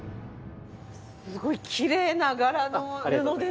すごいきれいな柄の布ですね。